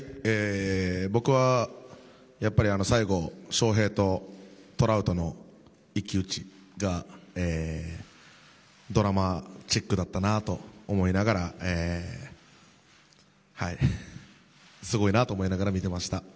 僕は、やっぱり最後翔平とトラウトの一騎打ちがドラマチックだったなと思いながらすごいなと思いながら見ていました。